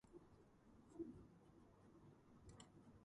ადმინისტრაციულად შედის კომუნა გამბიეს შემადგენლობაში.